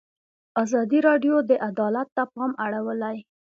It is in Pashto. ازادي راډیو د عدالت ته پام اړولی.